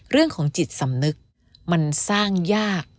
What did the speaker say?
เรื่องของจิตสำนึกมันสร้างยาก